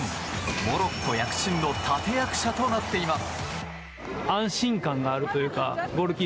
モロッコ躍進の立役者となっています。